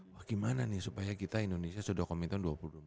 bagaimana nih supaya kita indonesia sudah komentan dua ribu dua puluh